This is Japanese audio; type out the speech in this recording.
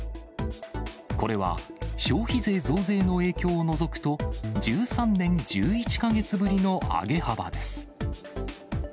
これは、消費税増税の影響を除くと、１３年１１か月ぶりの上げ幅です。